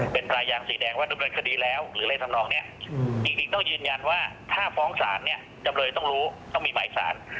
เป็นรายยางสีแดงว่าดำเนินคดีแล้วหรืออะไรทำนองนี้จริงต้องยืนยันว่าถ้าฟ้องศาลเนี่ยจำเลยต้องรู้ต้องมีหมายสาร